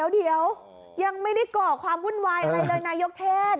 เดี๋ยวยังไม่ได้ก่อความวุ่นวายอะไรเลยนายกเทศ